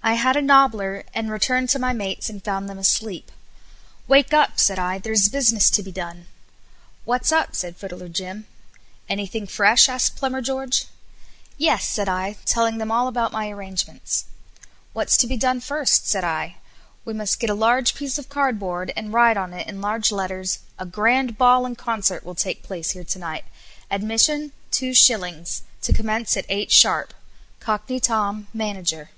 I had a nobbler and returned to my mates and found them asleep. "Wake up," said I, "there's business to be done." "What's up?" said Fiddler Jim. "Anything fresh?" asked Plumber George. "Yes," said I, telling them all about my arrangements. "What's to be done first?" said I, "we must get a large piece of cardboard and write on it in large letters, 'A grand ball and concert will take place here to night. Admission 2s.; to commence at 8 sharp. Cockney Tom, anager.'"